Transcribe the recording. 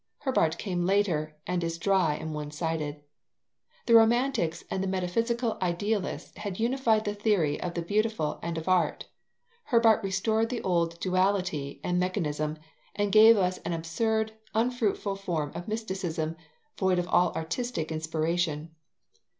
Herbart came later, and is dry and one sided. The romantics and the metaphysical idealists had unified the theory of the beautiful and of art. Herbart restored the old duality and mechanism, and gave us an absurd, unfruitful form of mysticism, void of all artistic inspiration.